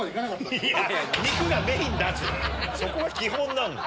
そこが基本なんだよ！